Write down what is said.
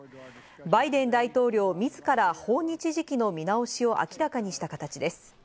バイデン大統領自ら、訪日時期の見直しを明らかにした形です。